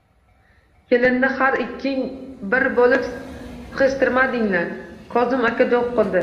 Kelinni ham ikking bir bo`lib sig`ishtirmadinglar, Kozim aka do`q qildi